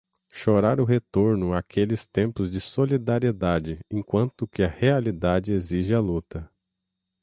chorar o retorno aqueles tempos de solidariedade, enquanto que a realidade exige a luta